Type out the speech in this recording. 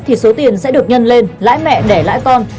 thì số tiền sẽ được nhân lên lãi mẹ để lãi con